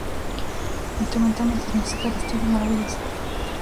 Instrumentalmente es música de estudio y maravillosa.